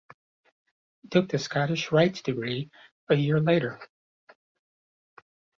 He took the Scottish Rite Degrees a year later.